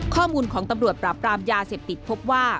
ข้อมูลของตำรวจปราบปรามยาเสพติดพบว่า